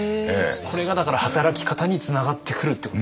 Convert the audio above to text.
これがだから働き方につながってくるってことですね。